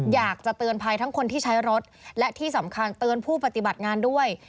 อยากจะเตือนภัยทั้งคนที่ใช้รถและที่สำคัญเตือนผู้ปฏิบัติงานด้วย